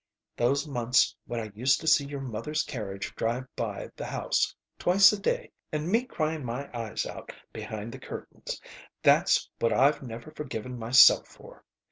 Those months when I used to see your mother's carriage drive by the house twice a day and me crying my eyes out behind the curtains. That's what I've never forgiven myself for.